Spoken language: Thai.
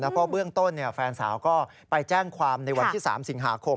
เพราะเบื้องต้นแฟนสาวก็ไปแจ้งความในวันที่๓สิงหาคม